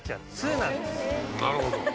なるほど。